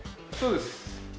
そうです。